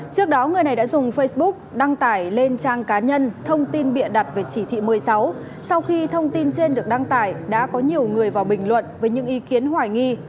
trước đó người này đã dùng facebook đăng tải lên trang cá nhân thông tin bịa đặt về chỉ thị một mươi sáu sau khi thông tin trên được đăng tải đã có nhiều người vào bình luận với những ý kiến hoài nghi